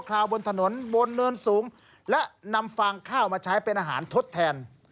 และนำฝ่างข้าวมาใช้เป็นอาหารทดแทน